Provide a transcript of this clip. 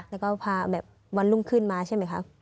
แล้วก็พาแบบวันรุ่งขึ้นมาใช่ไหมคะ